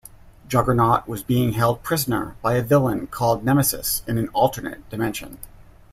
Juggernaut was being held prisoner by a villain called Nemesis in an alternate dimension.